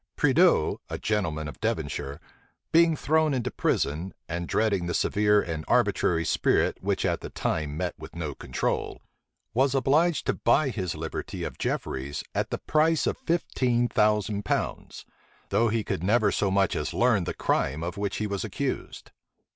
Prideaux, a gentleman of Devonshire, being thrown into prison, and dreading the severe and arbitrary spirit which at that time met with no control, was obliged to buy his liberty of Jefferies at the price of fifteen thousand pounds; though he could never so much as learn the crime of which he was accused.